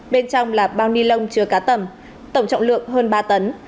bên trong là bao ni lông chừa cá tẩm tổng trọng lượng hơn ba tấn